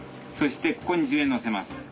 そしてここに十円のせます。